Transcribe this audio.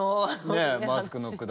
マスクの話。